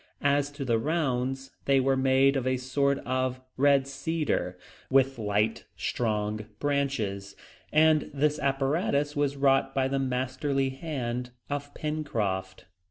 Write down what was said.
As to the rounds, they were made of a sort of red cedar, with light, strong branches; and this apparatus was wrought by the masterly hand of Pencroft.